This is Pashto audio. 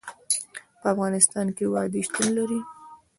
په افغانستان کې وادي شتون لري.